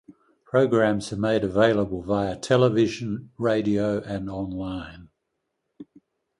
Programmes are made available via television, radio and online.